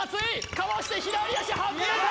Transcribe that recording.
かわして左足はずれた！